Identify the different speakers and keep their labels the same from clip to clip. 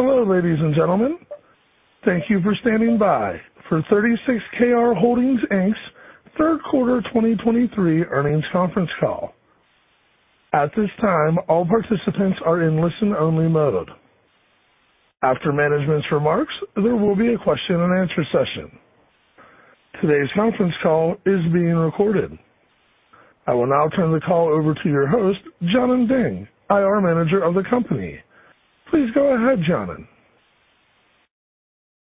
Speaker 1: Hello, ladies and gentlemen. Thank you for standing by for 36Kr Holdings, Inc.'s Third Quarter 2023 Earnings Conference Call. At this time, all participants are in listen-only mode. After management's remarks, there will be a question and answer session. Today's conference call is being recorded. I will now turn the call over to your host, Jianan Ding, IR Manager of the company. Please go ahead, Jianan.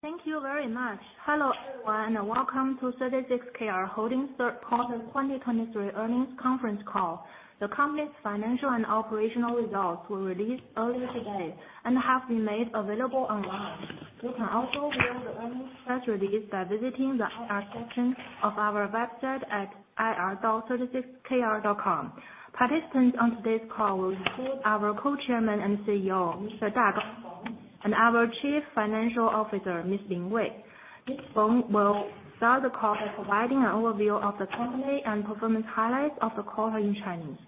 Speaker 2: Thank you very much. Hello, everyone, and welcome to 36Kr Holdings Third Quarter 2023 Earnings Conference Call. The company's financial and operational results were released earlier today and have been made available online. You can also view the earnings press release by visiting the IR section of our website at ir.36kr.com. Participants on today's call will include our Co-chairman and CEO, Mr. Dagang Feng, and our Chief Financial Officer, Ms. Lin Wei. Mr. Feng will start the call by providing an overview of the company and performance highlights of the call in Chinese,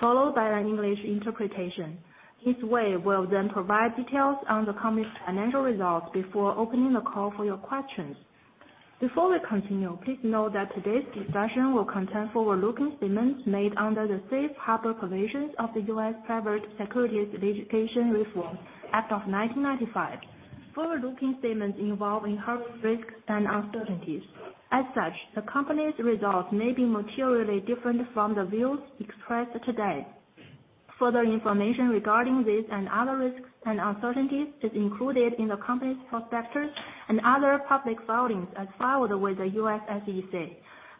Speaker 2: followed by an English interpretation. Ms. Wei will then provide details on the company's financial results before opening the call for your questions. Before we continue, please note that today's discussion will contain forward-looking statements made under the safe harbor provisions of the U.S. Private Securities Litigation Reform Act of 1995. Forward-looking statements involving health risks and uncertainties. As such, the company's results may be materially different from the views expressed today. Further information regarding this and other risks and uncertainties is included in the company's prospectus and other public filings as filed with the U.S. SEC.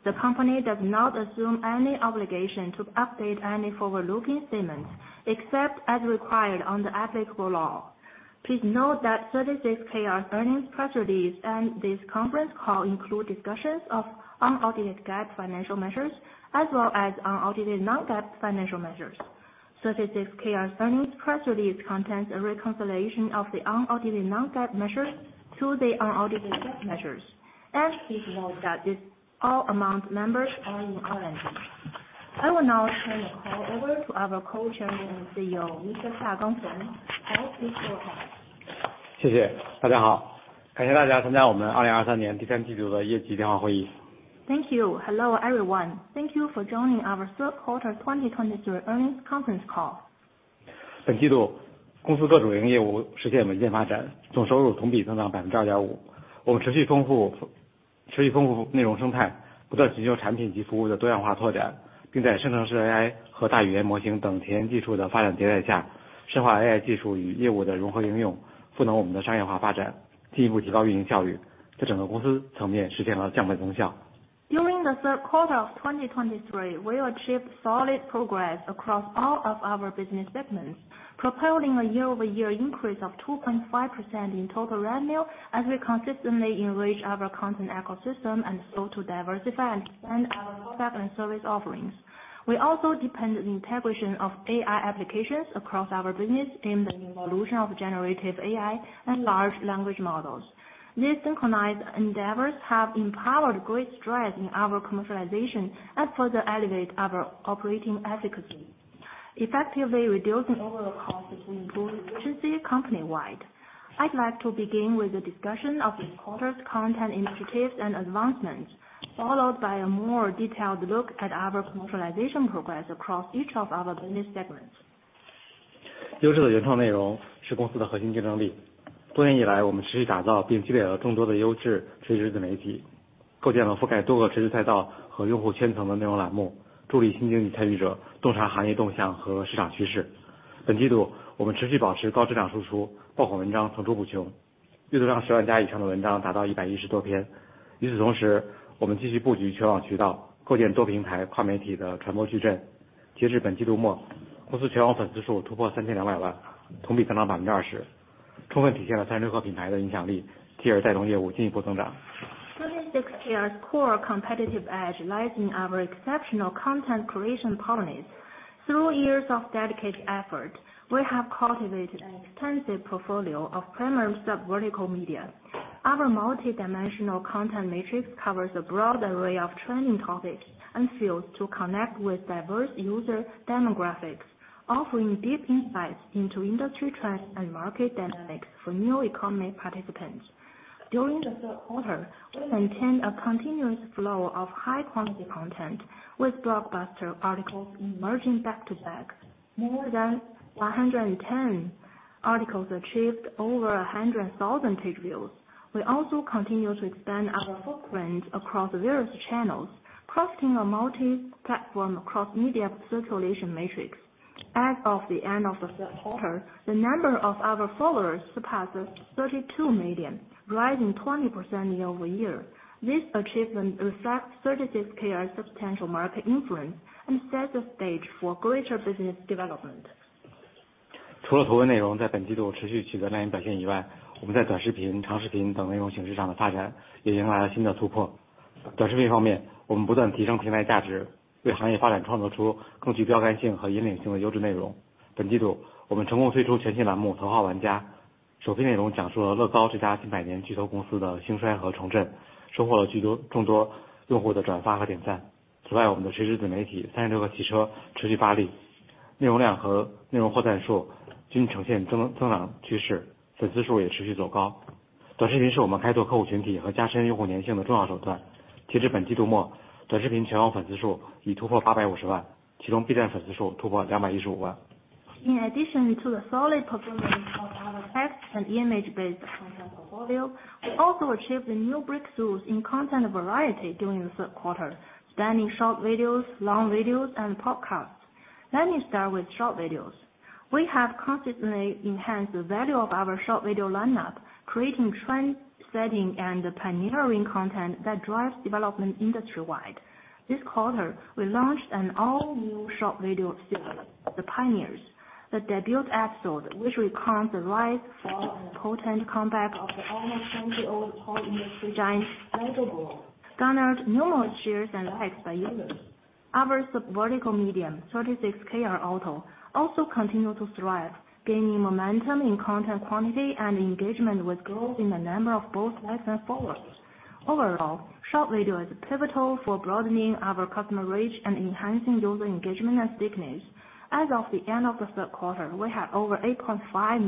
Speaker 2: The company does not assume any obligation to update any forward-looking statements, except as required under applicable law. Please note that 36Kr's earnings press release and this conference call include discussions of unaudited GAAP financial measures as well as unaudited non-GAAP financial measures. 36Kr's earnings press release contains a reconciliation of the unaudited non-GAAP measures to the unaudited GAAP measures, and please note that this all amount numbers are in RMB. I will now turn the call over to our Co-chairman and CEO, Mr. Dagang Feng. Da, please go ahead.
Speaker 3: 谢谢，大家好！感谢大家参加我们2023年第三季度的业绩电话会议。
Speaker 2: Thank you. Hello, everyone. Thank you for joining our Third Quarter 2023 Earnings Conference Call.
Speaker 3: 本季度，公司各种业务实现稳健发展，总收入同比增长2.5%。我们持续丰富，持续丰富内容生态，不断寻求产品及服务的多元化扩展，并在生成式AI和大语言模型等前沿技术的发展迭代下，深化AI技术与业务的融合应用，赋能我们的商业化发展，进一步提高运营效率，在整个公司层面实现了正向功效。
Speaker 2: During the third quarter of 2023, we achieved solid progress across all of our business segments, propelling a year-over-year increase of 2.5% in total revenue as we consistently enrich our content ecosystem and so to diversify and expand our product and service offerings. We also depend on the integration of AI applications across our business in the evolution of generative AI and large language models. These synchronized endeavors have empowered great strides in our commercialization and further elevate our operating efficacy, effectively reducing overall costs and improving efficiency company-wide. I'd like to begin with a discussion of the quarter's content initiatives and advancements, followed by a more detailed look at our commercialization progress across each of our business segments. 36Kr's core competitive edge lies in our exceptional content creation prowess. Through years of dedicated effort, we have cultivated an extensive portfolio of premier subvertical media. Our multidimensional content matrix covers a broad array of trending topics and fields to connect with diverse user demographics, offering deep insights into industry trends and market dynamics for new economy participants. During the third quarter, we maintained a continuous flow of high quality content, with blockbuster articles emerging back to back. More than 110 articles achieved over 100,000 page views. We also continue to expand our footprint across various channels, crafting a multi-platform across media circulation matrix. As of the end of the third quarter, the number of our followers surpasses 32 million, rising 20% year-over-year. This achievement reflects 36Kr's substantial market influence and sets the stage for greater business development.
Speaker 3: 除了图文内容在本季度持续取得亮眼表现以外，我们在短视频、长视频等内容形式上的发展也迎来了新的突破。短视频方面，我们不断提升平台价值，为行业发展创作出更具标杆性和引领性的优质内容。本季度，我们成功推出全新栏目《头号玩家》，首批内容讲述了乐高这家近百年巨头公司的兴衰和重振，收获了极多......
Speaker 2: In addition to the solid performance of our text and image-based content portfolio, we also achieved new breakthroughs in content variety during the third quarter, spanning short videos, long videos, and podcasts. Let me start with short videos. We have consistently enhanced the value of our short video lineup, creating trend-setting and pioneering content that drives development industry-wide. This quarter, we launched an all-new short video series, The Pioneers. The debut episode, which recounts the rise, fall, and potent comeback of the almost 20-year-old car industry giant, Volkswagen, garnered numerous shares and likes by users. Our sub-vertical medium, 36Kr Auto, also continued to thrive, gaining momentum in content quality and engagement, with growth in the number of both likes and followers. Overall, short video is pivotal for broadening our customer reach and enhancing user engagement and stickiness. As of the end of the third quarter, we had over 8.5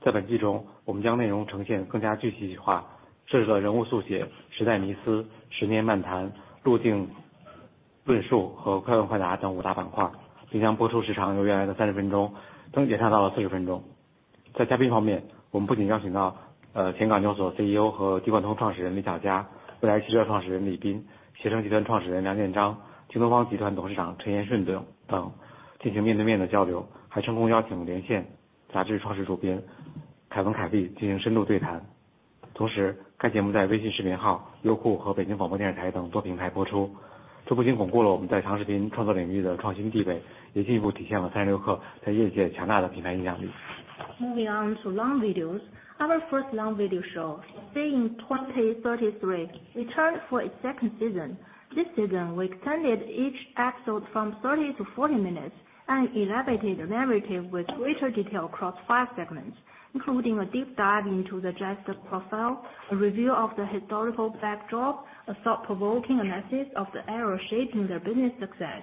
Speaker 2: million short video followers, among which more than 2.50 million were daily video users.
Speaker 3: 在长视频方面，我们的首档访谈节目，看见2033，迎来了第二季的开播。在本季中，我们将内容呈现更加具体化，设置了人物速写、时代迷思、十年漫谈、路径论述和快问快答等五大板块，并将播出时长由原来的30分钟延长到了40分钟。在嘉宾方面，我们不仅邀请到，前港交所CEO和Micro Connect创始人李小加、蔚来汽车创始人李斌、携程集团创始人梁建章、京东方集团董事长陈延顺等进行面对面的交流，还成功邀请了Wired杂志创始主编Kevin Kelly进行深度对谈。同时，该节目在微信视频号、优酷和北京广播电视台等多平台播出，这不仅巩固了我们在长视频创作领域的领先地位，也进一步体现了36Kr在业界强大的品牌影响力。
Speaker 2: Moving on to long videos. Our first long video show, Seeing 2033, returned for its second season. This season, we extended each episode from 30 to 40 minutes and elevated the narrative with greater detail across 5 segments, including a deep dive into the guest's profile, a review of the historical backdrop, a thought-provoking analysis of the era shaping their business success,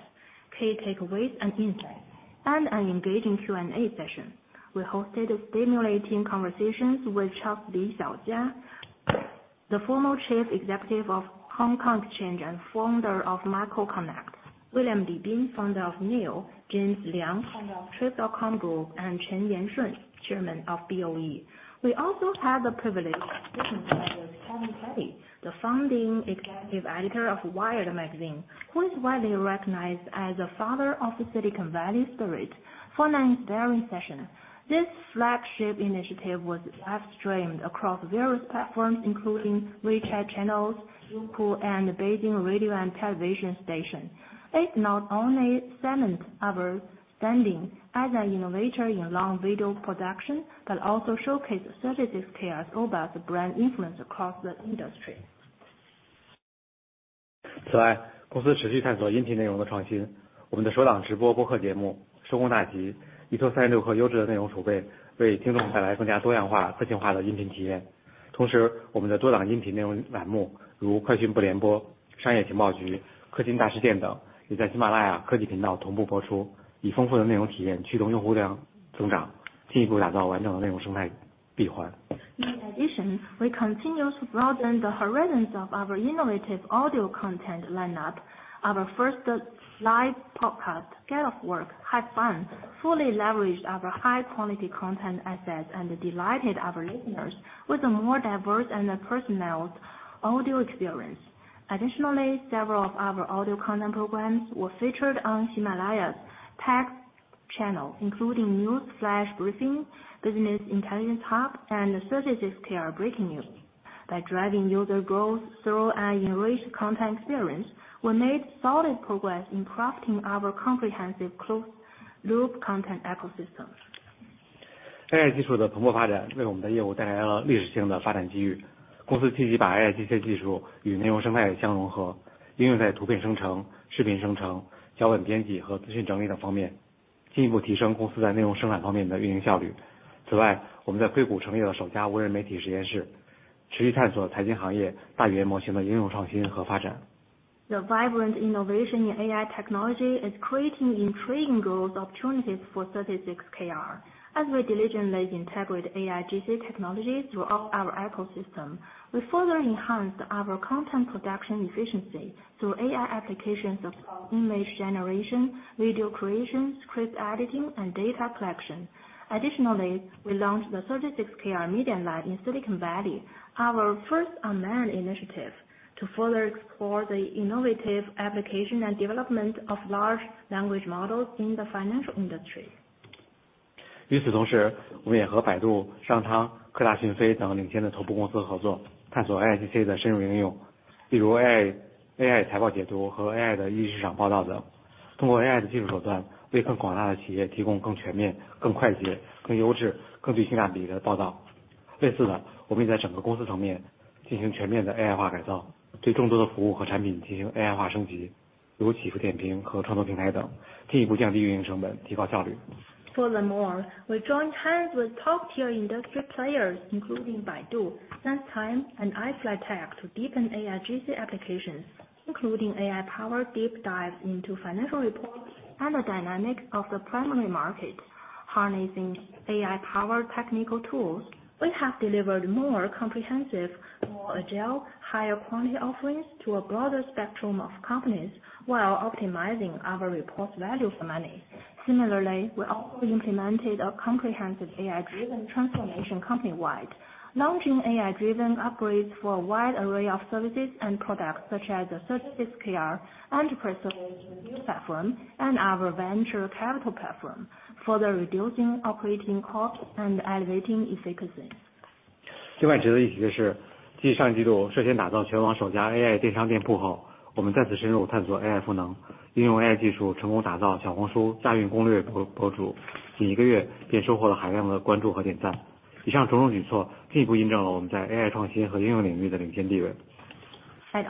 Speaker 2: key takeaways and insights, and an engaging Q&A session. We hosted stimulating conversations with Charles Li Xiaojia, the former Chief Executive of Hong Kong Exchanges and founder of Micro Connect, William Li Bin, founder of NIO, James Liang, founder of Trip.com Group, and Chen Yanshun, Chairman of BOE. We also had the privilege of sitting down with Kevin Kelly, the founding executive editor of Wired Magazine, who is widely recognized as the father of the Silicon Valley spirit, for an inspiring session. This flagship initiative was live streamed across various platforms, including WeChat Channels, YouTube, and the Beijing Radio and Television Station. It not only cements our standing as an innovator in long video production, but also showcases 36Kr's robust brand influence across the industry.
Speaker 3: 此外，公司持续探索音频内容的创新。我们首档直播播客节目收工大吉，依托三十六氪优质的内容储备，为听众带来更加多样化、个性化的音频体验。同时，我们的多档音频内容栏目，如快讯播联播、商业情报局、科创大师殿等，也在喜马拉雅科技频道同步播出，以丰富的内容体验驱动用户量增长，进一步打造完整的内容生态闭环。
Speaker 2: In addition, we continue to broaden the horizons of our innovative audio content lineup. Our first live podcast, Get Off Work, Have Fun, fully leveraged our high quality content assets and delighted our listeners with a more diverse and personalized audio experience. Additionally, several of our audio content programs were featured on Himalaya's Tech Channel, including News Flash Briefing, Business Intelligence Hub, and the 36Kr Breaking News. By driving user growth through an enriched content experience, we made solid progress in crafting our comprehensive closed-loop content ecosystem.
Speaker 3: AI技术的蓬勃发展，为我们的业务带来了历史性的发展机遇。公司积极把AIGC技术与内容生态相融合，应用在图片生成、视频生成、脚本编辑和资讯整理等方面，进一步提升公司在内容生产方面的运营效率。此外，我们在硅谷建立了首家无人媒体实验室，持续探索财经行业大语言模型的应用创新和发展。
Speaker 2: The vibrant innovation in AI technology is creating intriguing growth opportunities for 36Kr. As we diligently integrate AIGC technologies throughout our ecosystem, we further enhanced our content production efficiency through AI applications of image generation, video creation, script editing, and data collection. Additionally, we launched the 36Kr Media Lab in Silicon Valley, our first unmanned initiative to further explore the innovative application and development of large language models in the financial industry. Furthermore, we joined hands with top-tier industry players, including Baidu, SenseTime, and iFlyTek, to deepen AIGC applications, including AI-powered deep dive into financial reports and the dynamic of the primary market. Harnessing AI-powered technical tools, we have delivered more comprehensive, more agile, higher-quality offerings to a broader spectrum of companies while optimizing our report value for money. Similarly, we also implemented a comprehensive AI-driven transformation company-wide, launching AI-driven upgrades for a wide array of services and products such as the 36Kr enterprise solution platform and our venture capital platform, further reducing operating costs and elevating efficiency.
Speaker 3: 另外值得一提的是，继上季度率先打造全网首家AI电商店铺后，我们再次深入探索AI功能，运用AI技术成功打造小红书亚运攻略博主，仅一个月便收获了海量的关注和点赞。以上种种举措，进一步印证了我们在AI创新和应用领域的领先地位。
Speaker 2: I'd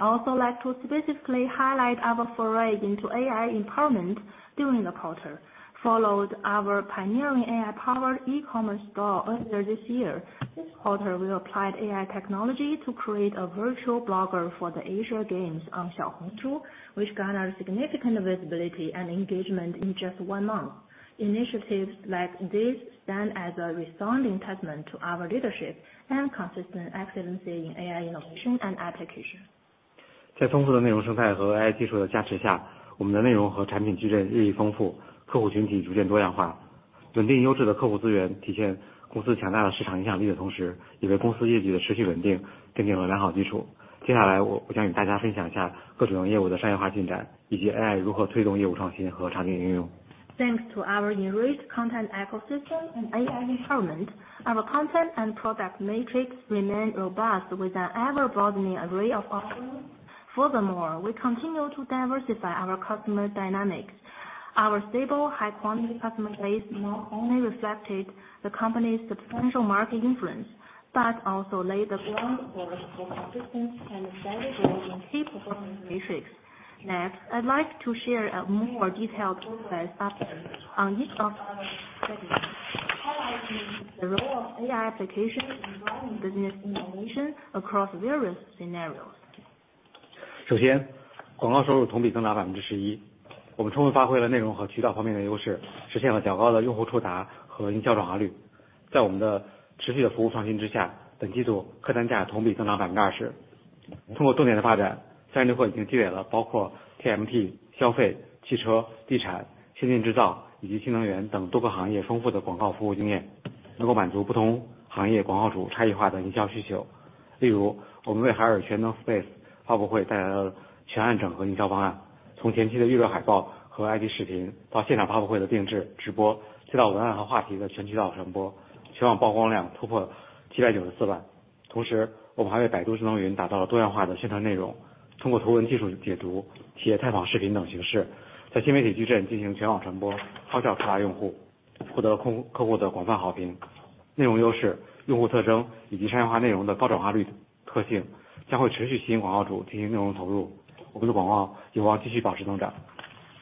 Speaker 2: also like to specifically highlight our foray into AI empowerment during the quarter. Following our pioneering AI-powered e-commerce store earlier this year. This quarter, we applied AI technology to create a virtual blogger for the Asian Games on Xiaohongshu, which garnered significant visibility and engagement in just one month. Initiatives like this stand as a resounding testament to our leadership and consistent excellence in AI innovation and application.
Speaker 3: 在丰富的内容生态和AI技术的加持下，我们的内容和产品矩阵日益丰富，客户群体逐渐多元化。稳定优质的客户资源体现公司强大的市场影响力的同时，也为公司业绩的持续稳定奠定了良好基础。接下来，我将与大家分享一下各种业务的商业化进展，以及AI如何推动业务创新和场景应用。
Speaker 2: Thanks to our enriched content, ecosystem and AI empowerment, our content and product matrix remain robust with an ever broadening array of offerings. Furthermore, we continue to diversify our customer dynamics. Our stable, high quality customer base not only reflected the company's substantial market influence, but also laid the ground for consistent and steady growth in key performance metrics. Next, I'd like to share a more detailed business update on each of our segments, highlighting the role of AI application in driving business innovation across various scenarios.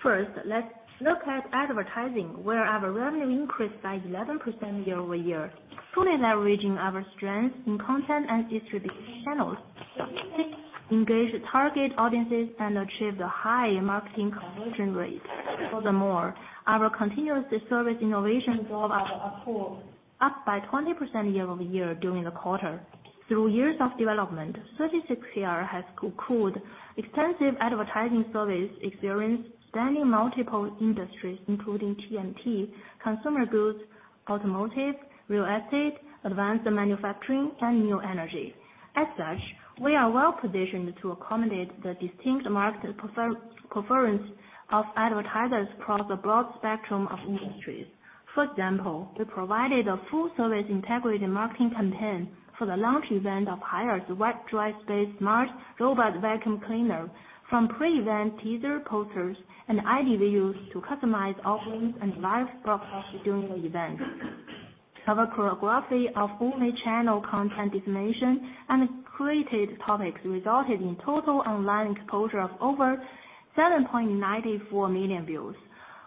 Speaker 2: First, let's look at advertising, where our revenue increased by 11% year-over-year, fully leveraging our strength in content and distribution channels, effectively engage target audiences and achieve the high marketing conversion rate. Furthermore, our continuous service innovation drove our ARPU up by 20% year-over-year during the quarter. Through years of development, 36Kr has accrued extensive advertising service experience spanning multiple industries including TMT, consumer goods, automotive, real estate, advanced manufacturing, and new energy. As such, we are well positioned to accommodate the distinct market preference of advertisers across a broad spectrum of industries. For example, we provided a full service integrated marketing campaign for the launch event of Haier's Wet Dry Space Smart Robot Vacuum Cleaner. From pre-event teaser posters and ID views to customized offerings and live broadcast during the event. Our choreography of omni-channel content dissemination and created topics resulted in total online exposure of over 7.94 million views.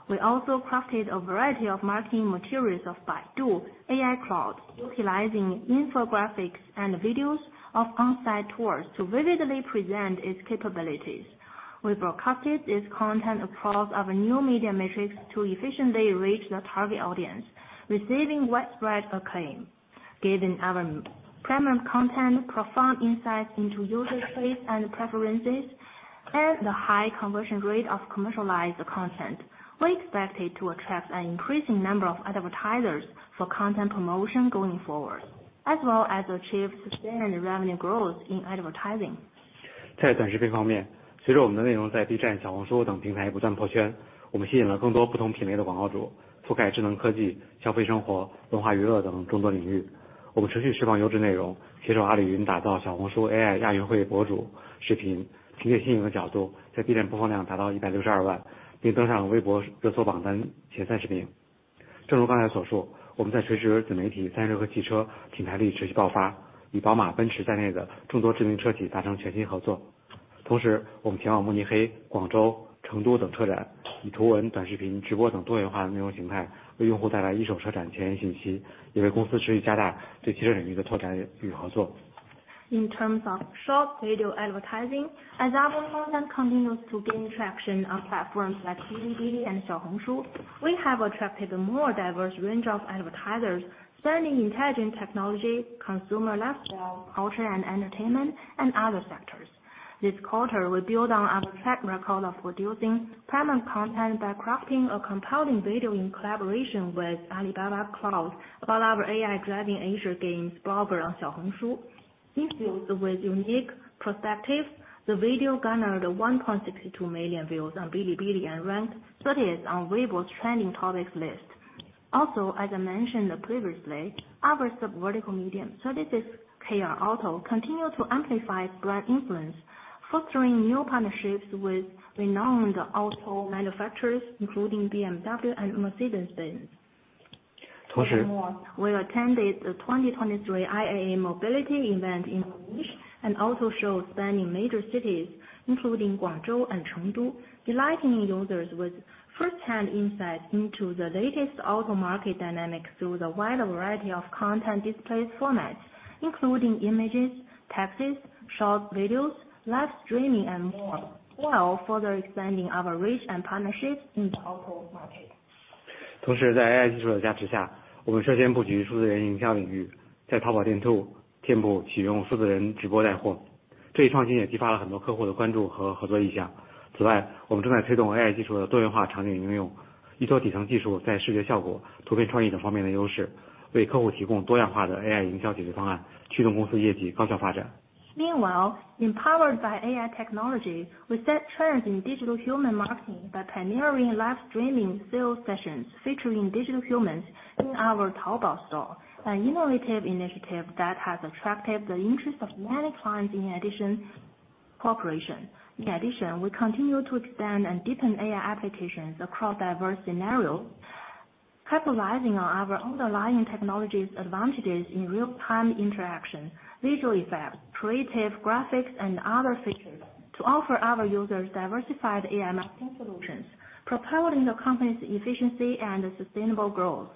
Speaker 2: We also crafted a variety of marketing materials of Baidu AI Cloud, utilizing infographics and videos of on-site tours to vividly present its capabilities. We broadcasted this content across our new media matrix to efficiently reach the target audience, receiving widespread acclaim. Given our premium content, profound insights into user trends and preferences, and the high conversion rate of commercialized content, we expected to attract an increasing number of advertisers for content promotion going forward, as well as achieve sustained revenue growth in advertising.
Speaker 3: 在短视频方面，随着我们的内容在B站、小红书等平台不断破圈，我们吸引了更多不同品类的广告主，覆盖智能科技、消费生活、文化娱乐等众多领域。我们持续释放优质内容，协助阿里云打造小红书AI亚运会博主视频，凭借新颖的角度，在B站播放量达到162万，并登上微博热搜榜单前30名。...
Speaker 2: In terms of short video advertising, as our content continues to gain traction on platforms like Bilibili and Xiaohongshu, we have attracted a more diverse range of advertisers spanning intelligent technology, consumer lifestyle, culture and entertainment, and other sectors. This quarter, we build on our track record of producing premium content by crafting a compelling video in collaboration with Alibaba Cloud about our AI driving Asian Games blog on Xiaohongshu. Filled with unique perspective, the video garnered 1.62 million views on Bilibili and ranked 30th on Weibo's trending topics list. Also, as I mentioned previously, our sub-vertical medium, 36Kr Auto, continue to amplify brand influence, fostering new partnerships with renowned auto manufacturers, including BMW and Mercedes-Benz.
Speaker 3: 同时-
Speaker 2: We attended the 2023 IAA Mobility event in Munich, and also showed spending in major cities, including Guangzhou and Chengdu, delighting users with firsthand insights into the latest auto market dynamics through the wide variety of content displays formats, including images, texts, short videos, live streaming, and more, while further expanding our reach and partnerships in the auto market.
Speaker 3: 同时，在 AI 技术的加持下，我们率先布局数字人营销领域，在淘宝店铺宣布启用数字人直播带货。这一创新也激发了很多客户的关注和合作意向。此外，我们正在推动 AI 技术的多元化场景应用，依托底层技术在视觉效果、图片创意等方面优势，为客户提供多元化的 AI 营销解决方案，驱动公司业绩高效发展。
Speaker 2: Meanwhile, empowered by AI technology, we set trends in digital human marketing by pioneering live streaming sales sessions featuring digital humans in our Taobao store, an innovative initiative that has attracted the interest of many clients in addition to cooperation. In addition, we continue to expand and deepen AI applications across diverse scenarios, capitalizing on our underlying technology's advantages in real-time interaction, visual effects, creative graphics, and other features to offer our users diversified AI marketing solutions, propelling the company's efficiency and sustainable growth.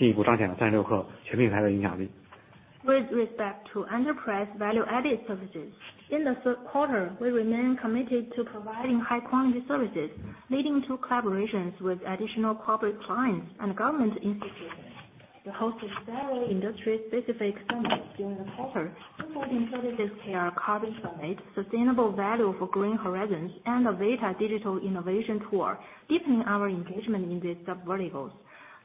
Speaker 2: With respect to enterprise value-added services, in the third quarter, we remain committed to providing high-quality services, leading to collaborations with additional corporate clients and government institutions. We hosted several industry-specific summits during the quarter, including 36Kr Carbon Summit: Sustainable Value for Green Horizons, and the Vita Digital Innovation Tour, deepening our engagement in these sub verticals.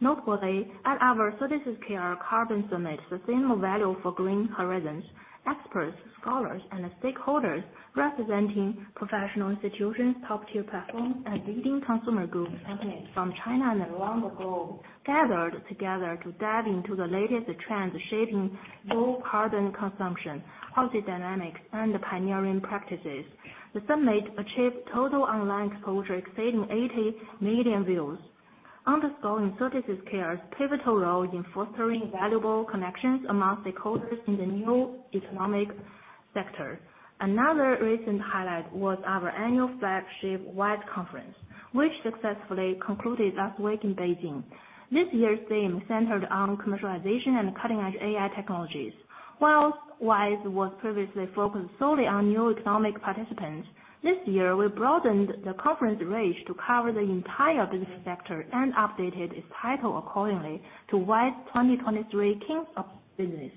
Speaker 2: Notably, at our 36Kr Carbon Summit: Sustainable Value for Green Horizons, experts, scholars, and stakeholders representing professional institutions, top-tier platforms, and leading consumer goods companies from China and around the world gathered together to dive into the latest trends shaping low carbon consumption, policy dynamics, and pioneering practices. The summit achieved total online exposure exceeding 80 million views, underscoring 36Kr's pivotal role in fostering valuable connections amongst stakeholders in the new economic sector. Another recent highlight was our annual flagship WISE Conference, which successfully concluded last week in Beijing. This year's theme centered on commercialization and cutting-edge AI technologies. While WISE was previously focused solely on new economic participants, this year, we broadened the conference range to cover the entire business sector and updated its title accordingly to WISE 2023 King of Business.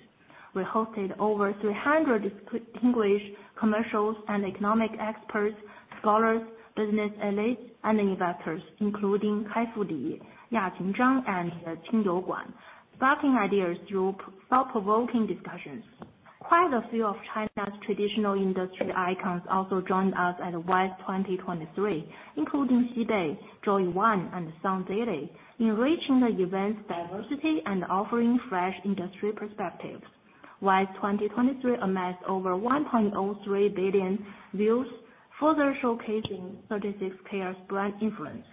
Speaker 2: We hosted over 300 distinguished commercials and economic experts, scholars, business elites, and investors, including Kai-Fu Lee, Yaqin Zhang, and Qingyou Guan, sparking ideas through thought-provoking discussions. Quite a few of China's traditional industry icons also joined us at WISE 2023, including Xibei, JOEONE, and Sundaily, enriching the event's diversity and offering fresh industry perspectives. WISE 2023 amassed over 1.03 billion views, further showcasing 36Kr's brand influence.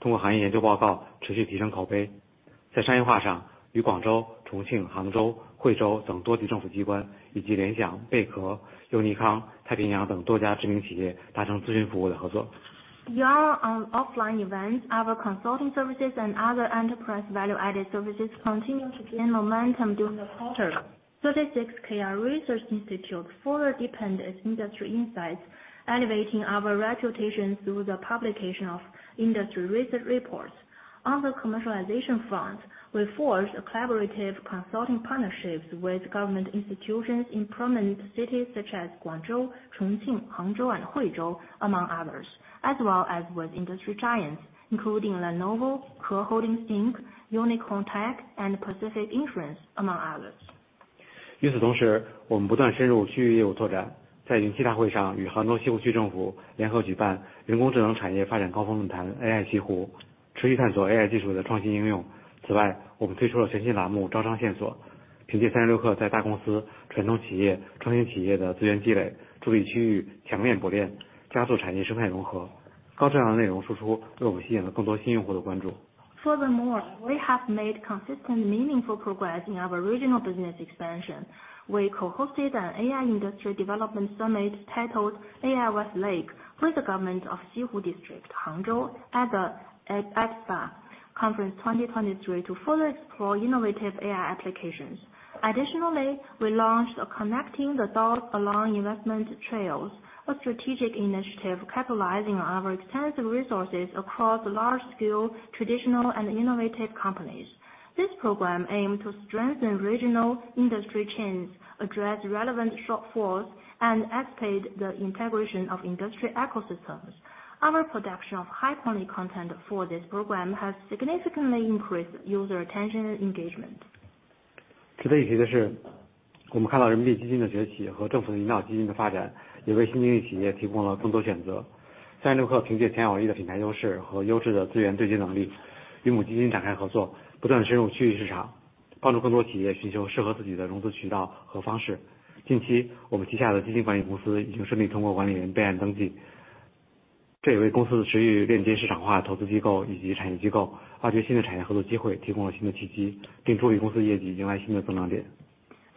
Speaker 3: ...除了线上活动外，咨询等企业增值服务也在本季度持续发力。三十六氪研究院继续深化行业洞察能力，通过行业研究报告持续提升口碑。在商业化上，与广州、重庆、杭州、惠州等多级政府机关，以及联想、贝壳、优尼康、太平洋等多家知名企业达成咨询服务的合作。
Speaker 2: Beyond our offline events, our consulting services and other enterprise value added services continue to gain momentum during the quarter. 36Kr Research Institute further deepened its industry insights, elevating our reputation through the publication of industry research reports. On the commercialization front, we forged a collaborative consulting partnerships with government institutions in prominent cities such as Guangzhou, Chongqing, Hangzhou, and Huizhou, among others, as well as with industry giants including Lenovo, Ke Holdings Inc., Unicorn Tech, and Pacific Insurance, among others. Furthermore, we have made consistent, meaningful progress in our regional business expansion. We co-hosted an AI industry development summit titled AI West Lake with the Government of West Lake District, Hangzhou, at the Apsara Conference 2023 to further explore innovative AI applications. Additionally, we launched Connecting the Dots Along Investment Trails, a strategic initiative capitalizing on our extensive resources across large scale, traditional, and innovative companies. This program aimed to strengthen regional industry chains, address relevant shortfalls, and expedite the integration of industrial ecosystems. Our production of high quality content for this program has significantly increased user attention and engagement.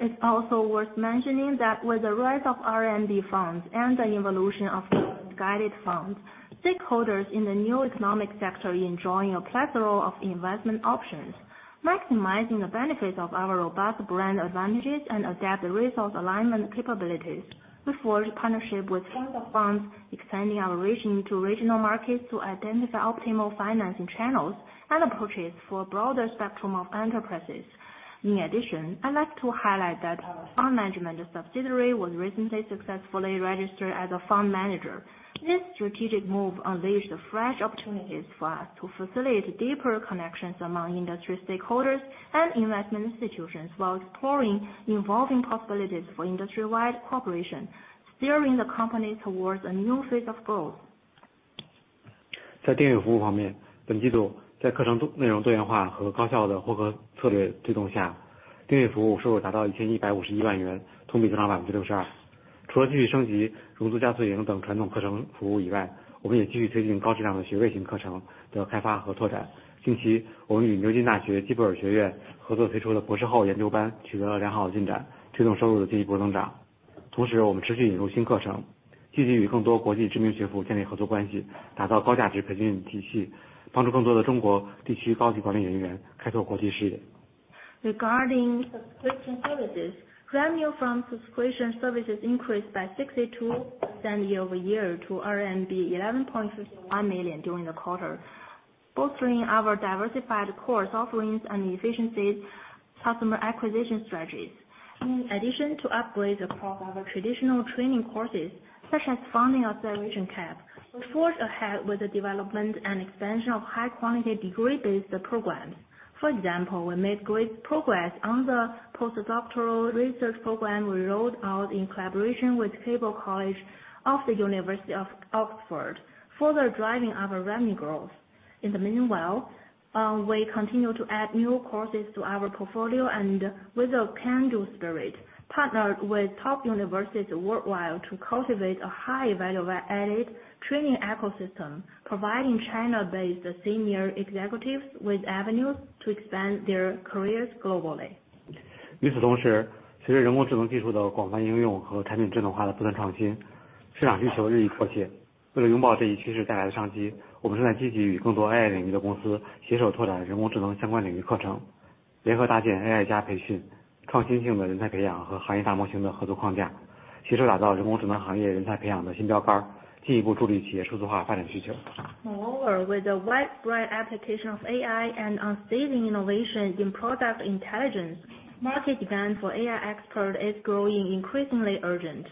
Speaker 2: It's also worth mentioning that with the rise of RMB funds and the evolution of the guided funds, stakeholders in the new economic sector enjoying a plethora of investment options, maximizing the benefits of our robust brand advantages and adept resource alignment capabilities. We forged partnerships with some of the funds, expanding our reach into regional markets to identify optimal financing channels and approaches for a broader spectrum of enterprises. In addition, I'd like to highlight that our fund management subsidiary was recently successfully registered as a fund manager. This strategic move unleashed fresh opportunities for us to facilitate deeper connections among industry stakeholders and investment institutions, while exploring innovative possibilities for industry-wide cooperation, steering the company towards a new phase of growth.
Speaker 3: 在订阅服务方面，本季度在课程内容多元化和高效的获客策略推动下，订阅服务收入达到 CNY 1,151 万元，同比增长 62%。除了继续升级融资加速营等传统课程服务以外，我们也继续推进高质量的学位型课程的开发和拓展。近期，我们与牛津大学基博尔学院合作推出的博士后研究班取得了良好的进展，推动收入的进一步增长。同时，我们持续引入新课程，积极与更多国际知名学府建立合作关系，打造高价值培训体系，帮助更多的中国地区高级管理人员开拓国际视野。
Speaker 2: Regarding subscription services, revenue from subscription services increased by 62% year-over-year to RMB 11.61 million during the quarter, bolstering our diversified course offerings and efficiency customer acquisition strategies. In addition to upgrade the core of our traditional training courses such as Founding Acceleration Camp, we forge ahead with the development and expansion of high quality, degree-based programs. For example, we made great progress on the postdoctoral research program we rolled out in collaboration with Keble College of the University of Oxford, further driving our revenue growth. In the meanwhile, we continue to add new courses to our portfolio and with a can-do spirit, partnered with top universities worldwide to cultivate a high value added training ecosystem, providing China based senior executives with avenues to expand their careers globally.
Speaker 3: 与此同时，随着人工智能技术的广泛应用和产品智能化的不断创新，市场需求日益迫切。为了拥抱这一趋势带来的商机，我们正在积极与更多AI领域的公司携手，拓展人工智能相关领域课程，联合搭建AI加培训、创新性的人才培养和行业大模型的合作框架，携手打造人工智能行业人才培养的新标杆，进一步助力企业数字化发展需求。
Speaker 2: Moreover, with the widespread application of AI and unsteady innovation in product intelligence, market demand for AI expert is growing increasingly urgent.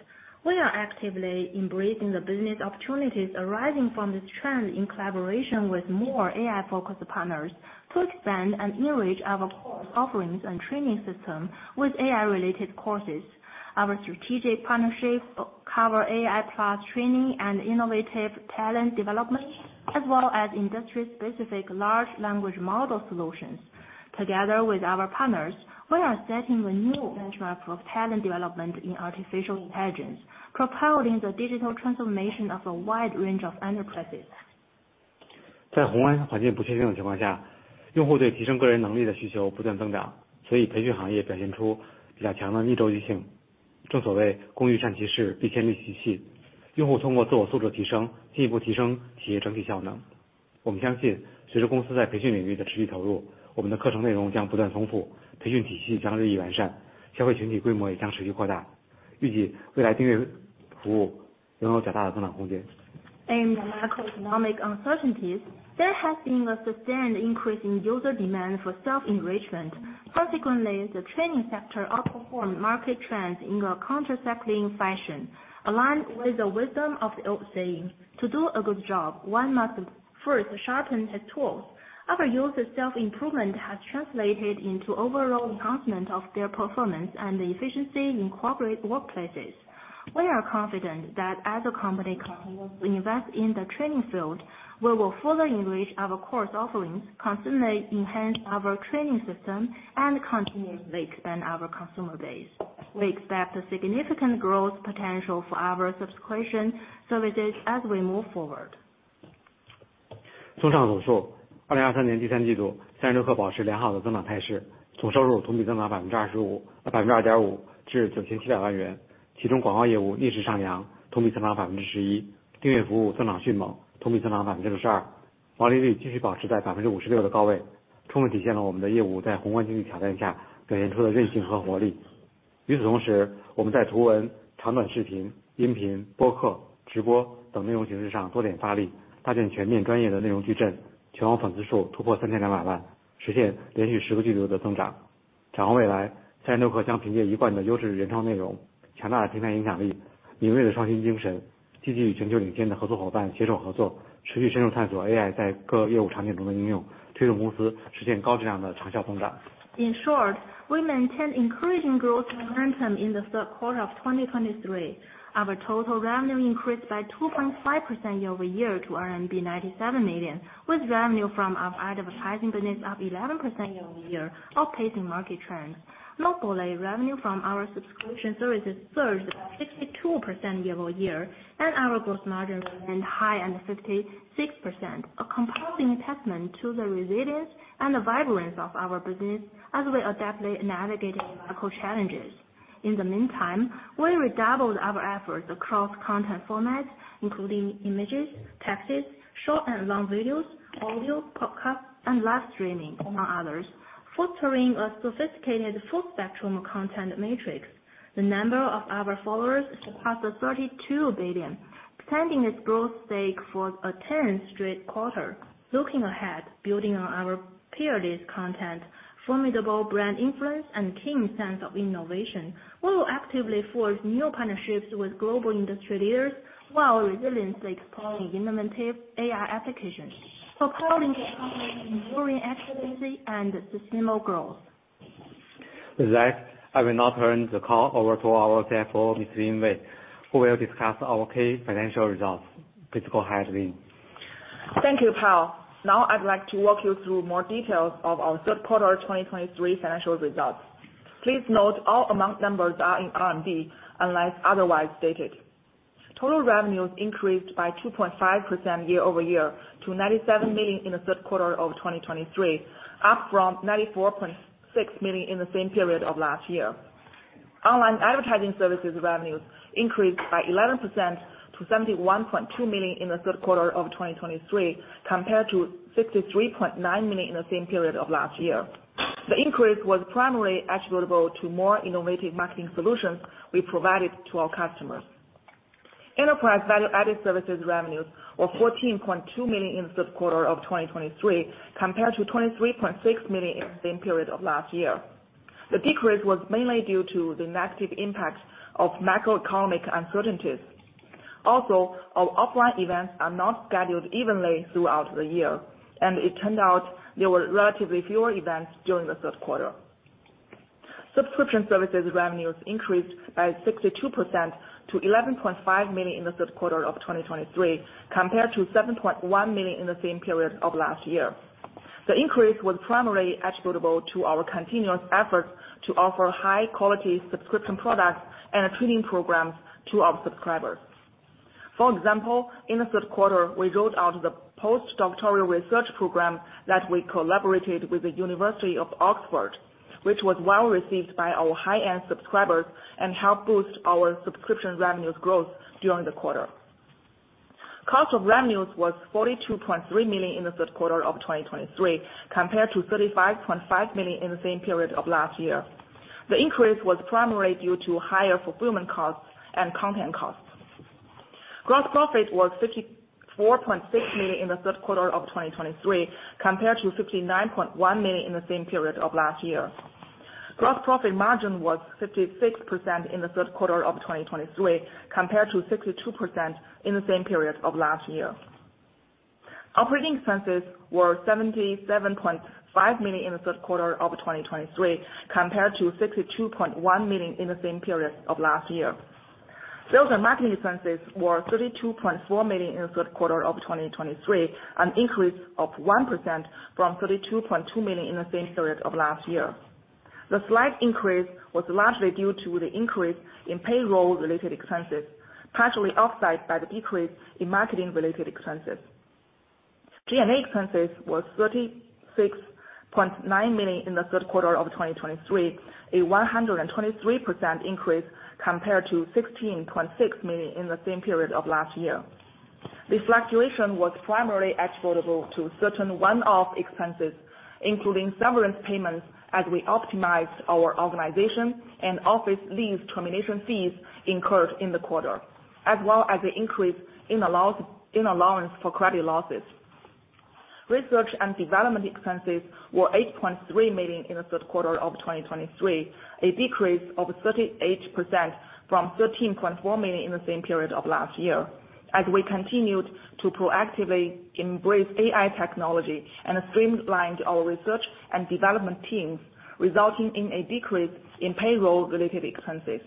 Speaker 2: We are actively embracing the business opportunities arising from this trend in collaboration with more AI-focused partners to expand and enrich our course offerings and training system with AI-related courses. Our strategic partnerships cover AI plus training and innovative talent development, as well as industry-specific large language model solutions. Together with our partners, we are setting a new benchmark for talent development in artificial intelligence, propelling the digital transformation of a wide range of enterprises… In macroeconomic uncertainties, there has been a sustained increase in user demand for self-enrichment. Consequently, the training sector outperformed market trends in a countercyclical fashion. Aligned with the wisdom of the old saying: "To do a good job, one must first sharpen his tools." Our users' self-improvement has translated into overall enhancement of their performance and efficiency in corporate workplaces. We are confident that as a company, we invest in the training field, we will further enrich our course offerings, constantly enhance our training system, and continuously expand our consumer base. We expect a significant growth potential for our subscription services as we move forward. In short, we maintain encouraging growth momentum in the third quarter of 2023. Our total revenue increased by 2.5% year-over-year to RMB 97 million, with revenue from our advertising business up 11% year-over-year, outpacing market trends. Notably, revenue from our subscription services surged by 52% year-over-year, and our gross margin remained high at 56%, a compelling testament to the resilience and the vibrance of our business as we adeptly navigating macro challenges. In the meantime, we redoubled our efforts across content formats, including images, texts, short and long videos, audio, podcast, and live streaming, among others, fostering a sophisticated full spectrum content matrix. The number of our followers surpassed 32 million, extending its growth streak for a tenth straight quarter. Looking ahead, building on our peerless content, formidable brand influence, and keen sense of innovation, we will actively forge new partnerships with global industry leaders, while resiliently exploring innovative AI applications, propelling the company enduring excellence and sustainable growth. With that, I will now turn the call over to our CFO, Ms. Lin Wei, who will discuss our key financial results. Please go ahead, Lin.
Speaker 4: Thank you, [Jianan]. Now I'd like to walk you through more details of our third quarter 2023 financial results. Please note, all amount numbers are in RMB, unless otherwise stated. Total revenues increased by 2.5% year-over-year to 97 million in the third quarter of 2023, up from 94.6 million in the same period of last year. Online advertising services revenues increased by 11% to 71.2 million in the third quarter of 2023, compared to 63.9 million in the same period of last year. The increase was primarily attributable to more innovative marketing solutions we provided to our customers. Enterprise value added services revenues were 14.2 million in the third quarter of 2023, compared to 23.6 million in the same period of last year. The decrease was mainly due to the negative impact of macroeconomic uncertainties. Also, our offline events are not scheduled evenly throughout the year, and it turned out there were relatively fewer events during the third quarter. Subscription services revenues increased by 62% to $11.5 million in the third quarter of 2023, compared to $7.1 million in the same period of last year. The increase was primarily attributable to our continuous efforts to offer high quality subscription products and training programs to our subscribers. For example, in the third quarter, we rolled out the postdoctoral research program that we collaborated with the University of Oxford, which was well received by our high-end subscribers and helped boost our subscription revenues growth during the quarter. Cost of revenues was $42.3 million in the third quarter of 2023, compared to $35.5 million in the same period of last year. The increase was primarily due to higher fulfillment costs and content costs. Gross profit was $54.6 million in the third quarter of 2023, compared to $59.1 million in the same period of last year. Gross profit margin was 56% in the third quarter of 2023, compared to 62% in the same period of last year. Operating expenses were $77.5 million in the third quarter of 2023, compared to $62.1 million in the same period of last year. Sales and marketing expenses were $32.4 million in the third quarter of 2023, an increase of 1% from $32.2 million in the same period of last year. The slight increase was largely due to the increase in payroll-related expenses, partially offset by the decrease in marketing-related expenses. G&A expenses was $36.9 million in the third quarter of 2023, a 123% increase compared to $16.6 million in the same period of last year. This fluctuation was primarily attributable to certain one-off expenses, including severance payments as we optimized our organization and office lease termination fees incurred in the quarter, as well as an increase in allowance for credit losses. Research and development expenses were $8.3 million in the third quarter of 2023, a decrease of 38% from $13.4 million in the same period of last year, as we continued to proactively embrace AI technology and streamlined our research and development teams, resulting in a decrease in payroll-related expenses.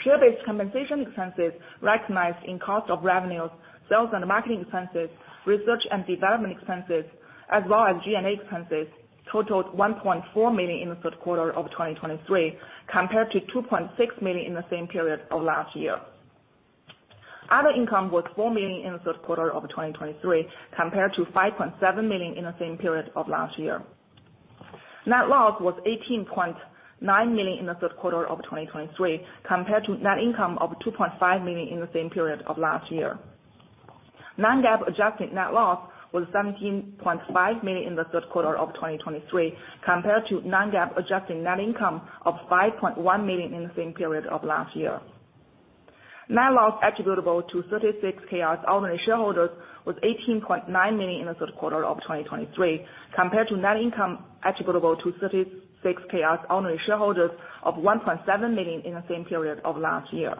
Speaker 4: Share-based compensation expenses recognized in cost of revenues, sales and marketing expenses, research and development expenses, as well as G&A expenses, totaled $1.4 million in the third quarter of 2023, compared to $2.6 million in the same period of last year. Other income was $4 million in the third quarter of 2023, compared to $5.7 million in the same period of last year. Net loss was $18.9 million in the third quarter of 2023, compared to net income of $2.5 million in the same period of last year. Non-GAAP adjusted net loss was $17.5 million in the third quarter of 2023, compared to non-GAAP adjusted net income of $5.1 million in the same period of last year. Net loss attributable to 36Kr ordinary shareholders was $18.9 million in the third quarter of 2023, compared to net income attributable to 36Kr ordinary shareholders of $1.7 million in the same period of last year.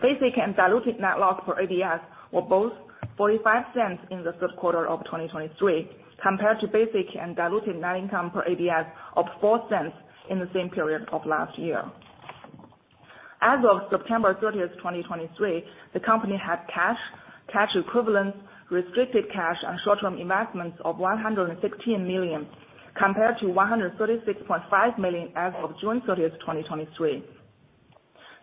Speaker 4: Basic and diluted net loss per ADS were both $0.45 in the third quarter of 2023, compared to basic and diluted net income per ADS of $0.04 in the same period of last year. As of September 30, 2023, the company had cash, cash equivalents, restricted cash and short-term investments of $116 million, compared to $136.5 million as of June 30, 2023.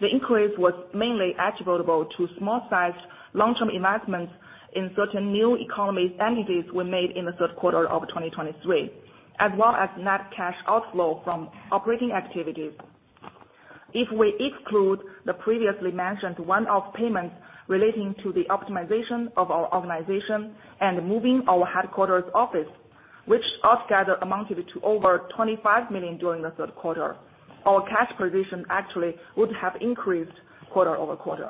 Speaker 4: The increase was mainly attributable to small-sized long-term investments in certain new economy entities were made in the third quarter of 2023, as well as net cash outflow from operating activities. If we exclude the previously mentioned one-off payments relating to the optimization of our organization and moving our headquarters office, which altogether amounted to over $25 million during the third quarter, our cash position actually would have increased quarter-over-quarter.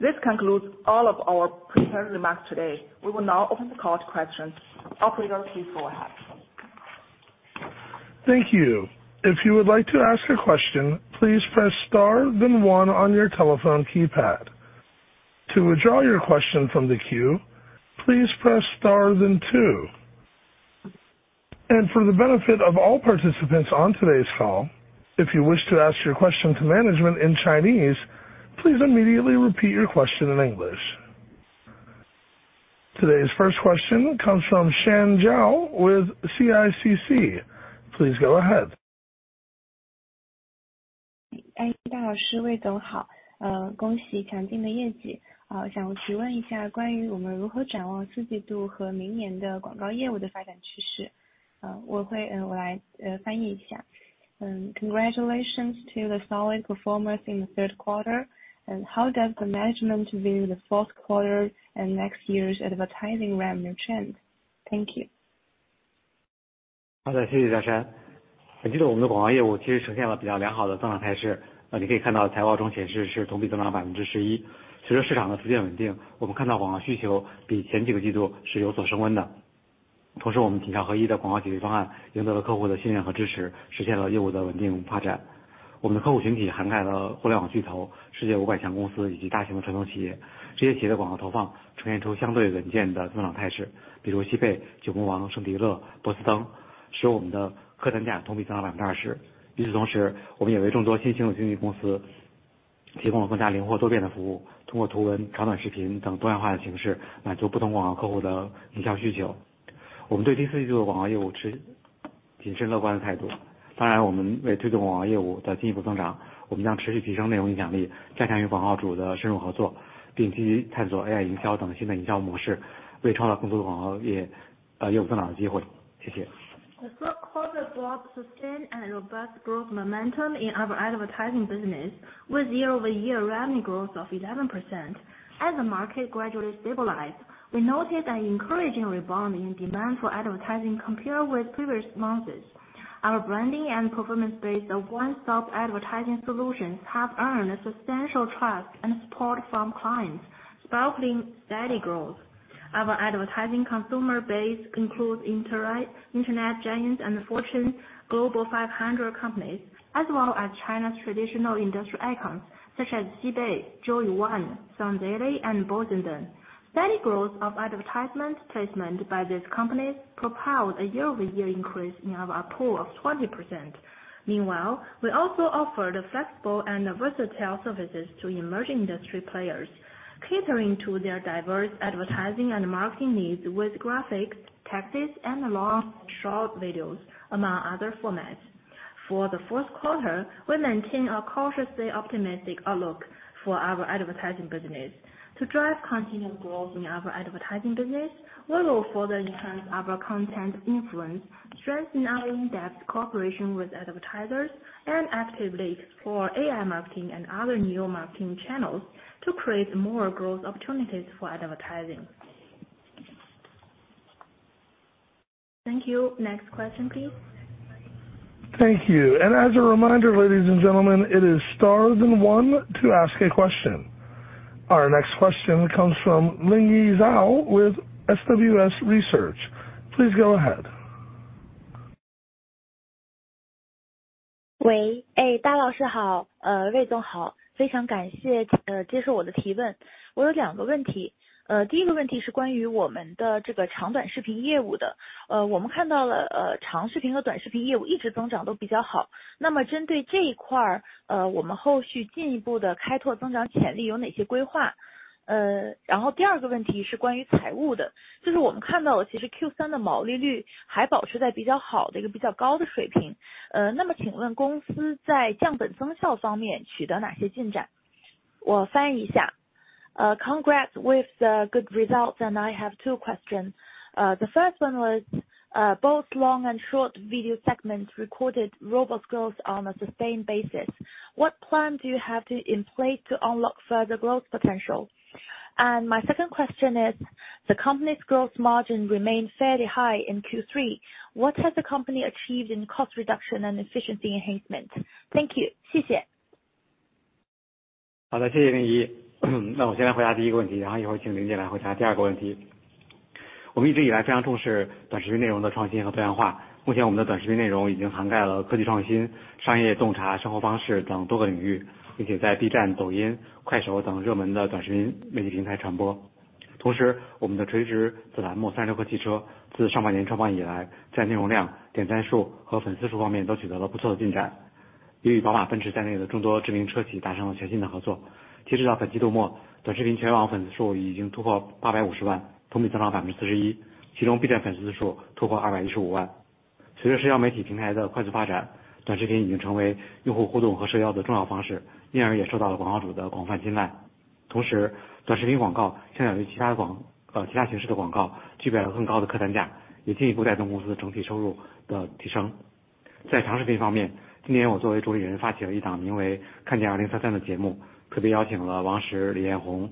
Speaker 4: This concludes all of our prepared remarks today. We will now open the call to questions. Operator, please go ahead.
Speaker 1: Thank you. If you would like to ask a question, please press star then one on your telephone keypad. To withdraw your question from the queue, please press star then two. For the benefit of all participants on today's call, if you wish to ask your question to management in Chinese, please immediately repeat your question in English. Today's first question comes from Shan Zhao with CICC. Please go ahead.
Speaker 5: Hi, congratulations to the solid performance in the third quarter. How does the management view the fourth quarter and next year's advertising revenue trend? Thank you.
Speaker 3: Hello, thank you, Shan Zhao. Congratulations.
Speaker 4: The third quarter brought sustained and robust growth momentum in our advertising business, with year-over-year revenue growth of 11%. As the market gradually stabilized, we noted an encouraging rebound in demand for advertising compared with previous months. Our branding and performance-based, a one-stop advertising solutions, have earned a substantial trust and support from clients, sparking steady growth. Our advertising consumer base includes internet giants and Fortune Global 500 companies, as well as China's traditional industrial icons such as Xibei, JOEONE, Sundaily, and Bosideng. Steady growth of advertisement placement by these companies propelled a year-over-year increase in our ARPU of 20%. Meanwhile, we also offered flexible and versatile services to emerging industry players, catering to their diverse advertising and marketing needs with graphics, texts, and long and short videos, among other formats. For the fourth quarter, we maintain a cautiously optimistic outlook for our advertising business. To drive continued growth in our advertising business, we will further enhance our content influence, strengthen our in-depth cooperation with advertisers, and actively explore AI marketing and other new marketing channels to create more growth opportunities for advertising. Thank you. Next question, please.
Speaker 1: Thank you. As a reminder, ladies and gentlemen, it is star then one to ask a question. Our next question comes from Lingyi Zhao with SWS Research. Please go ahead.
Speaker 6: Congrats with the good results, and I have two questions. The first one was, both long and short video segments recorded robust growth on a sustained basis. What plan do you have to in place to unlock further growth potential? And my second question is, the company's growth margin remained fairly high in Q3. What has the company achieved in cost reduction and efficiency enhancement? Thank you. Xiexie. Congrats with the good results,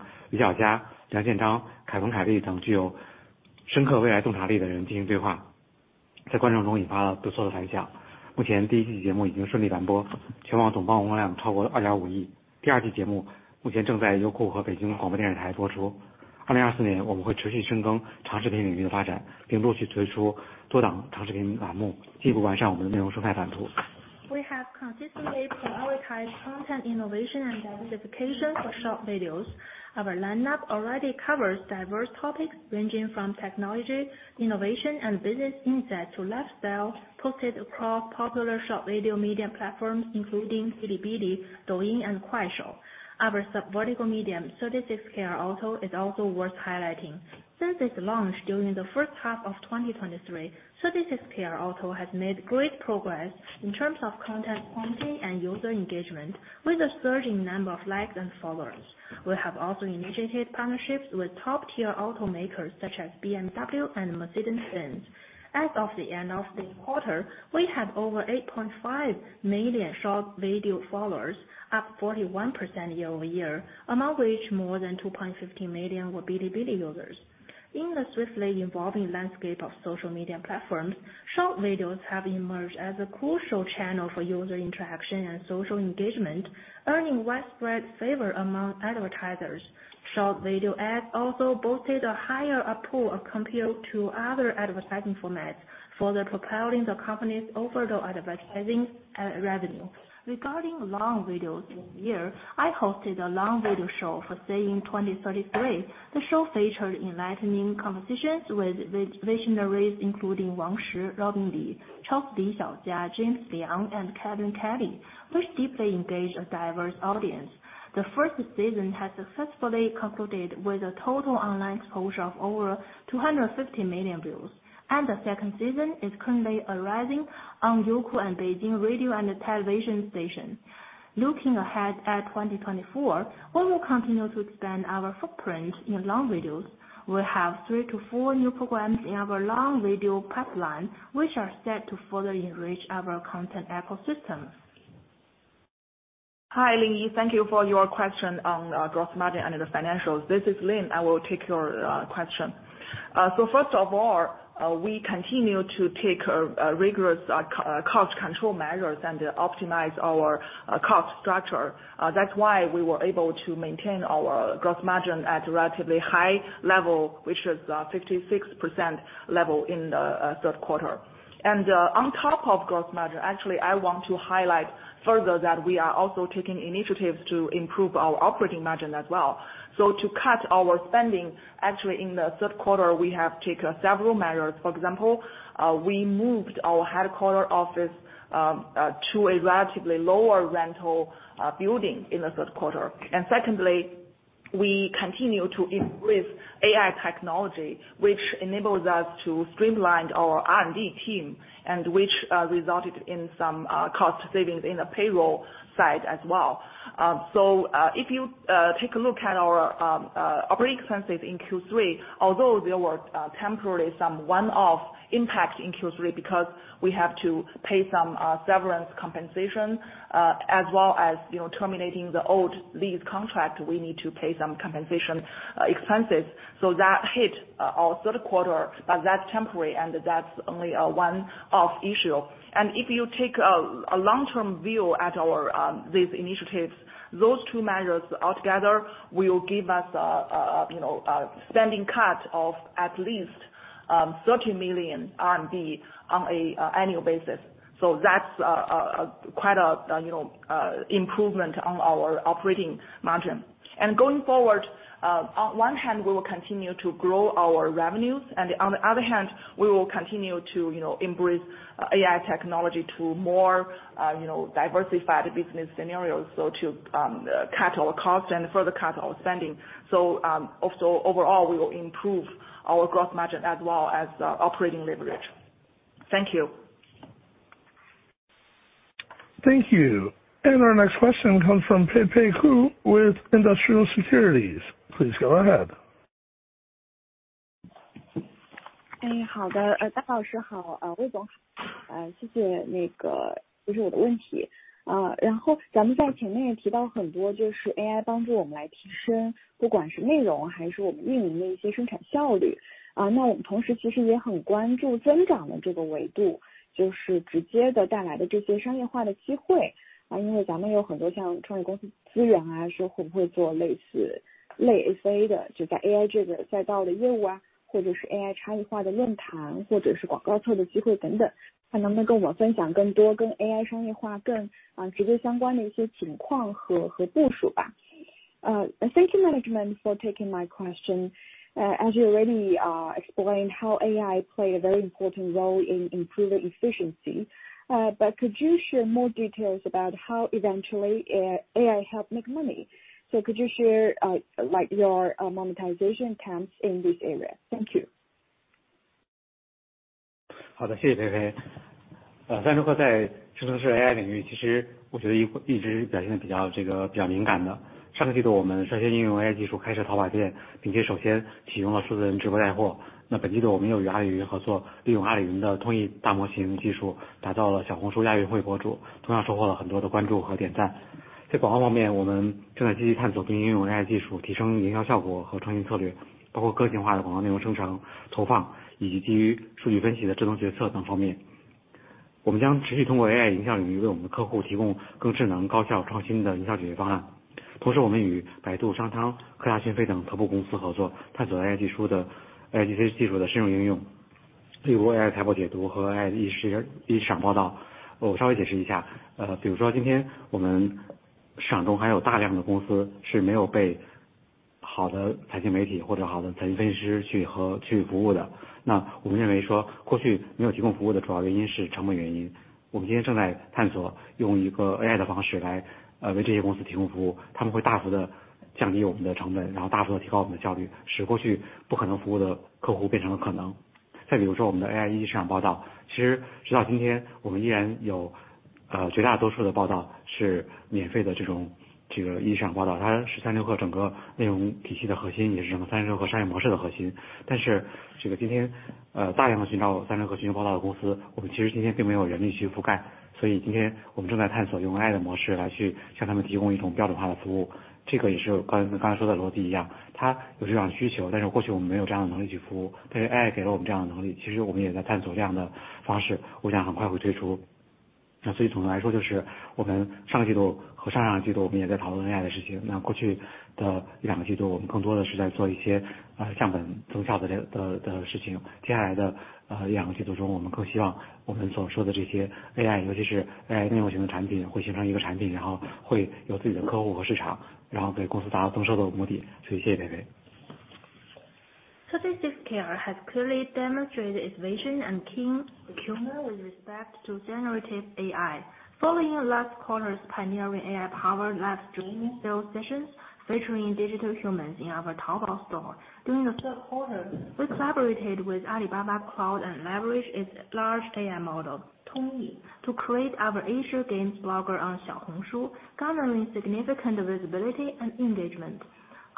Speaker 6: and I have two questions. The first one was, both long and short video segments recorded robust growth on a sustained basis. What plan do you have to in place to unlock further growth potential? And my second question is, the company's growth margin remained fairly high in Q3. What has the company achieved in cost reduction and efficiency enhancement? Thank you. Xiexie.
Speaker 4: Hi, Ling Yi. Thank you for your question on gross margin and the financials. This is Lin. I will take your question. So first of all, we continue to take a rigorous cost control measures and optimize our cost structure. That's why we were able to maintain our gross margin at a relatively high level, which is 56% level in the third quarter. And on top of gross margin, actually, I want to highlight further that we are also taking initiatives to improve our operating margin as well. So to cut our spending, actually, in the third quarter, we have taken several measures. For example, we moved our headquarter office to a relatively lower rental building in the third quarter. Secondly, we continue to embrace AI technology, which enables us to streamline our R&D team, and which resulted in some cost savings in the payroll side as well. So, if you take a look at our operating expenses in Q3, although there were temporarily some one-off impacts in Q3, because we have to pay some severance compensation as well as, you know, terminating the old lease contract, we need to pay some compensation expenses. So that hit our third quarter, but that's temporary, and that's only a one-off issue. And if you take a long-term view at our these initiatives, those two measures altogether will give us you know, a spending cut of at least 30 million RMB R&D on a annual basis. So that's quite a, you know, improvement on our operating margin. And going forward, on one hand, we will continue to grow our revenues, and on the other hand, we will continue to, you know, embrace AI technology to more, you know, diversify the business scenarios, so to cut our costs and further cut our spending. So, also overall, we will improve our gross margin as well as operating leverage. Thank you.
Speaker 1: Thank you. Our next question comes from Peipei Qiu, with Industrial Securities. Please go ahead.
Speaker 7: Hey, 好的，老师好，魏总好。谢谢，这是我的问题。然后咱们前面也提到很多，就是AI帮助我们来提升，不管是内容还是我们运营的一些生产效率，那我们同时其实也很关注增长的这个维度，就是直接带来的这些商业化的机会，因为咱们有很多像创业公司资源，会不会做类似类A的，就在AI这个赛道的业务，或者是AI差异化的论坛，或者是广告位的机会等等，看能不能跟我分享更多，跟AI商业化更直接相关的一些情况和部署吧。Thank you, management, for taking my question. As you already explained how AI played a very important role in improving efficiency, but could you share more details about how eventually AI help make money? So could you share like your monetization plans in this area? Thank you.
Speaker 3: 品，会形成一个产品，然后会有自己的客户和市场，然后给公司带来增收的目的。所以谢谢Peipei。
Speaker 4: 36Kr has clearly demonstrated its vision and keen humor with respect to generative AI. Following last quarter's pioneering AI-powered live streaming sales sessions featuring digital humans in our Taobao store. During the third quarter, we collaborated with Alibaba Cloud and leveraged its large AI model, Tongyi, to create our Asia Games blogger on Xiaohongshu, garnering significant visibility and engagement.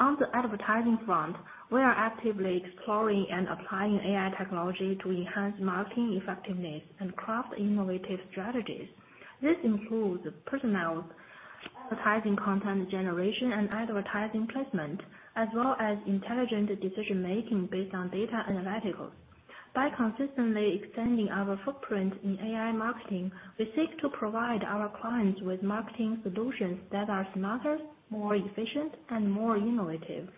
Speaker 4: On the advertising front, we are actively exploring and applying AI technology to enhance marketing effectiveness and craft innovative strategies. This includes personalized advertising, content generation, and advertising placement, as well as intelligent decision-making based on data analytics. By consistently extending our footprint in AI marketing, we seek to provide our clients with marketing solutions that are smarter, more efficient, and more innovative.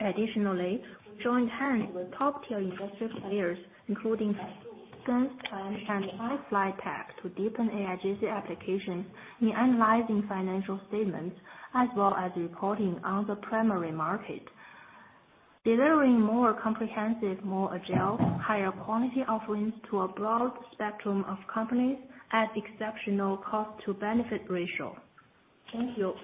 Speaker 4: Additionally, we joined hands with top-tier industry players, including SenseTime and iFlyTek, to deepen AIGC application in analyzing financial statements, as well as reporting on the primary market. Delivering more comprehensive, more agile, higher quality offerings to a broad spectrum of companies at exceptional cost to benefit ratio. Thank you.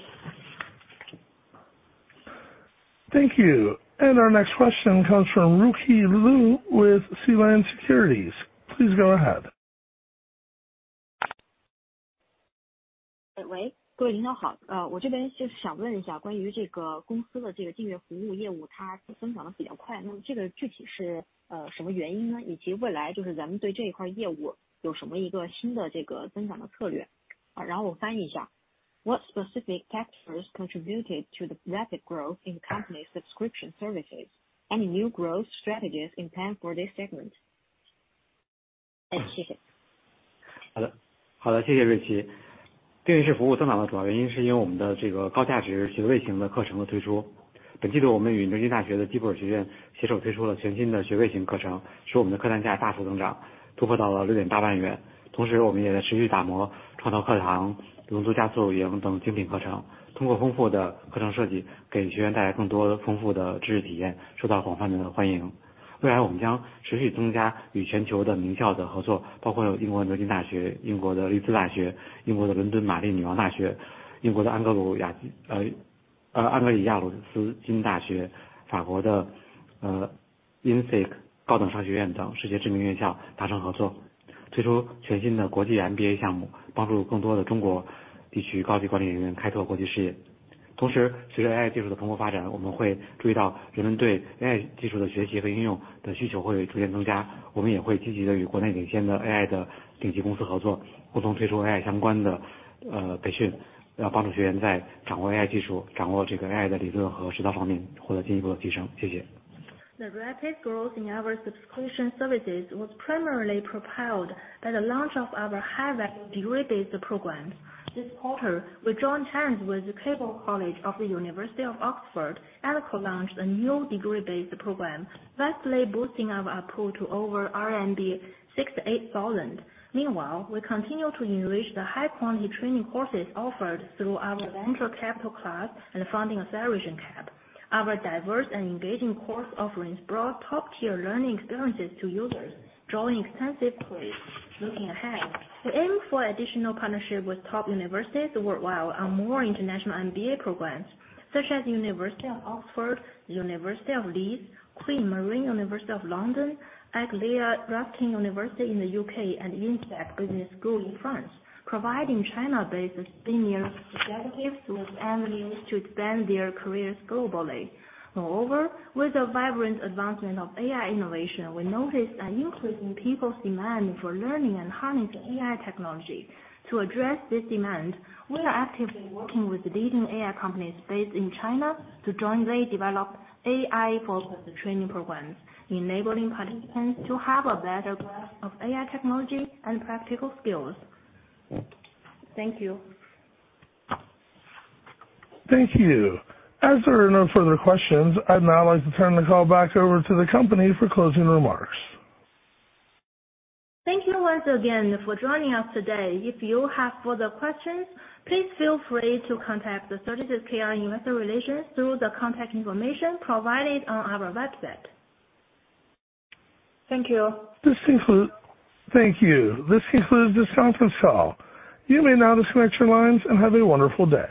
Speaker 1: Thank you. And our next question comes from Ruqi Lu with Sealand Securities. Please go ahead.
Speaker 8: 各位领导好，我这边就是想问一下，关于这个公司的这个订阅服务业务，它增长得比较快，那么这个具体是什么原因呢？以及未来就是咱们对这一块业务有什么一个新的这个增长的策略？然后我翻译一下: What specific factors contributed to the rapid growth in company subscription services? Any new growth strategies in plan for this segment? 谢谢。
Speaker 3: 好的，好的，谢谢，瑞琪。订阅式服务增长的主要原因是，因为我们的这个高价值学位型的课程的推出。本季度，我们与牛津大学的基博尔学院携手，推出了全新的学位型课程，使我们的课堂价大幅增长，突破到了CNY 6.8万元。同时，我们也得持续打磨创造课堂、龙族加速营等精品课程，通过丰富的课程设计，给学员带来更多的丰富的知识体验，受到广泛的欢迎。未来，我们将继续增加与全球的名校的合作，包括英国牛津大学、英国的利兹大学、英国的伦敦玛丽女王大学、英国的安格利亚鲁斯金大学、法国的INSEAD高等商学院等世界知名院校达成合作，推出全新的国际MBA项目，帮助更多的中国地区高级管理人员开拓国际事业。同时，随着AI技术的蓬勃发展，我们会注意到人们对AI技术的学习和应用的的需求会逐渐增加，我们也会积极地与国内领先的AI的顶级公司合作，共同推出AI相关的培训，来帮助学员在掌握AI技术，掌握这个AI的理论和指导方面获得进一步的提升。谢谢。
Speaker 2: The rapid growth in our subscription services was primarily propelled by the launch of our high value degree-based programs. This quarter, we joined hands with the Saïd Business School of the University of Oxford, and co-launched a new degree-based program, vastly boosting our ARPU to over 6,000-8,000 RMB. Meanwhile, we continue to enrich the high quality training courses offered through our venture capital class and founding acceleration camp. Our diverse and engaging course offerings brought top-tier learning experiences to users, drawing extensive praise. Looking ahead, we aim for additional partnership with top universities worldwide on more international MBA programs such as University of Oxford, University of Leeds, Queen Mary University of London, Anglia Ruskin University in the U.K., and INSEAD Business School in France, providing China-based senior executives with avenues to expand their careers globally. Moreover, with the vibrant advancement of AI innovation, we noticed an increase in people's demand for learning and harnessing AI technology. To address this demand, we are actively working with the leading AI companies based in China to jointly develop AI for the training programs, enabling participants to have a better grasp of AI technology and practical skills. Thank you.
Speaker 1: Thank you. As there are no further questions, I'd now like to turn the call back over to the company for closing remarks.
Speaker 2: Thank you once again for joining us today. If you have further questions, please feel free to contact the 36Kr investor relations through the contact information provided on our website. Thank you.
Speaker 1: Thank you. This concludes the conference call. You may now disconnect your lines and have a wonderful day.